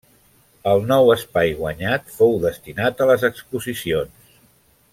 El nou espai guanyat fou destinat a les exposicions.